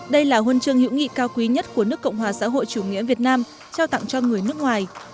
đây là huân chương hữu nghị cao quý nhất của nước cộng hòa xã hội chủ nghĩa việt nam trao tặng cho người nước ngoài